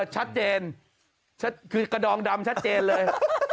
ชัดเจนคือกระดองดำชัดเจนเลย